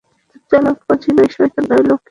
চালাক পাজি নয়, শয়তান, নয়, লক্ষ্মীছাড়া নয়, শুধু চালাক?